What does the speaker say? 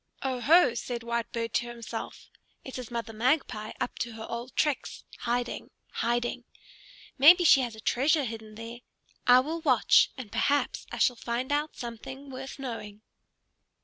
"Oho!" said Whitebird to himself, "it is Mother Magpie up to her old tricks, hiding, hiding. Maybe she has a treasure hidden there. I will watch, and perhaps I shall find out something worth knowing."